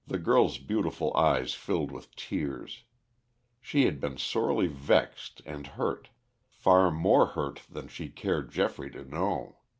The girl's beautiful eyes filled with tears. She had been sorely vexed and hurt, far more hurt than she cared Geoffrey to know.